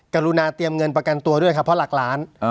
กรุณาเตรียมเงินประกันตัวด้วยครับเพราะหลักล้าน